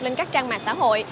lên các trang mạng xã hội